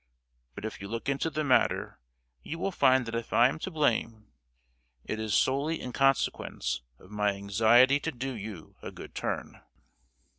But if you look into the matter you will find that if I am to blame it is solely in consequence of my anxiety to do you a good turn!"